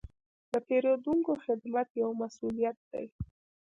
د پیرودونکو خدمت یو مسوولیت دی.